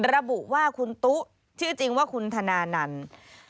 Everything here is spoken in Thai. ระบุว่าคุณตุ๊ชื่อจริงว่าคุณธนานันต์